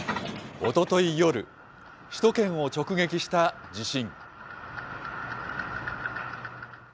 おととい夜、首都圏を直撃した地震。